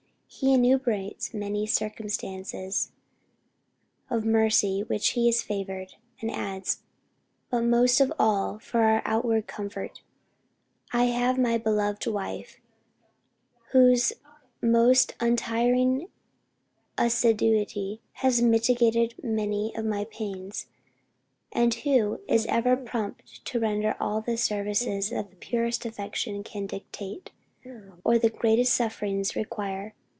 He enumerates many circumstances of mercy with which he is favored; and adds: "But most of all for outward comfort, I have my beloved wife, whose most untiring assiduity has mitigated many of my pains, and who is ever prompt to render all the services that the purest affection can dictate, or the greatest sufferings require.